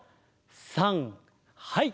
さんはい！